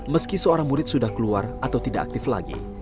meski seorang murid sudah keluar atau tidak aktif lagi